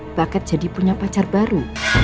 mbak kat jadi punya pacar baru